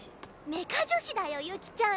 メカ女子だよユキちゃん。